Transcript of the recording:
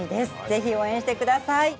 ぜひ応援してください。